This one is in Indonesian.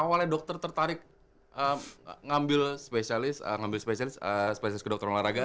awalnya dokter tertarik ngambil spesialis spesialis kedokteran olahraga